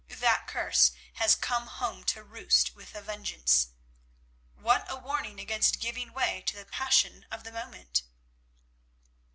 That curse has come home to roost with a vengeance. What a warning against giving way to the passion of the moment!"